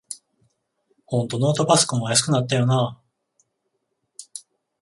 ほんとノートパソコンは安くなったよなあ